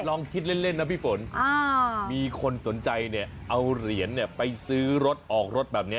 ลองคิดเล่นนะพี่ฝนมีคนสนใจเนี่ยเอาเหรียญไปซื้อรถออกรถแบบนี้